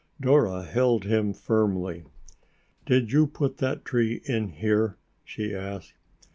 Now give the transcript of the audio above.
Dora held him firmly. "Did you put that tree in here?" she asked.